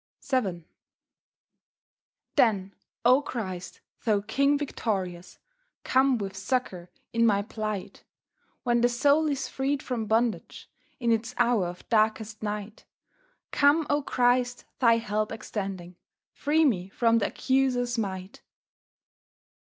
VII Then, O Christ, Thou King victorious, Come with succour in my plight; When the soul is freed from bondage, In its hour of darkest night; Come, O Christ, Thy help extending, Free me from the accuser's might.